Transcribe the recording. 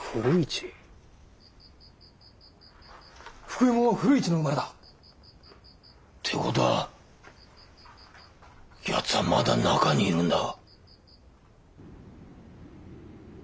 福右衛門は古市の生まれだ！って事は奴はまだ中にいるんだ。